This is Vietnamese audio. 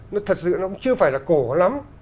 nó thật sự nó cũng chưa phải là cổ lắm